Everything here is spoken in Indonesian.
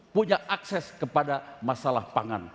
punya akses kepada masalah pangan